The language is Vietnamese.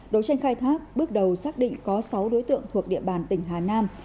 đấu tranh khai thác bước đầu xác định có sáu đối tượng thuộc địa bàn tỉnh hà nam